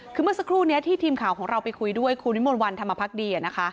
คือเมื่อสักครู่นี้ที่ทีมข่าวของเราไปคุยด้วยคุณวิมนต์วันธรรมพักดี